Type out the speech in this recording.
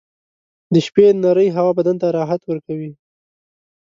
• د شپې نرۍ هوا بدن ته راحت ورکوي.